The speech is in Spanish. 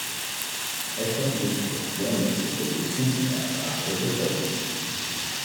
Estas modificaciones se producen en el aparato de Golgi.